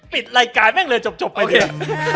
ปิดรายการแม่งเลยจบไปเนี่ย